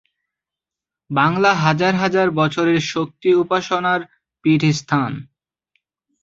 বাংলা হাজার হাজার বছরের শক্তি উপাসনার পীঠস্থান।